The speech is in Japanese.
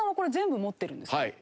はい。